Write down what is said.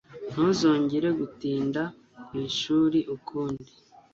Ntuzongere gutinda kwishuri ukundi.